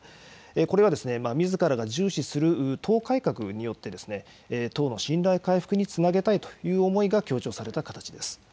これはですね、みずからが重視する党改革によって、党の信頼回復につなげたいという思いが強調された形です。